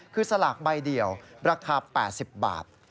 คือสลากใบเดียวราคา๘๐บาท